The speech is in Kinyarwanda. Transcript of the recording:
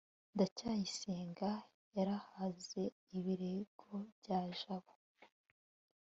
ndacyayisenga yarahaze ibirego bya jabo